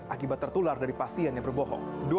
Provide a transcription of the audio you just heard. akibat tertular dari pasien yang berbohong